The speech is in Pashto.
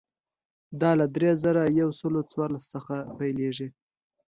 دا له درې زره یو سل څوارلس څخه پیلېږي.